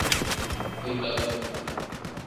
Пуйто...